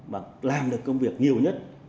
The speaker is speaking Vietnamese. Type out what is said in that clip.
và làm được công việc nhiều nhất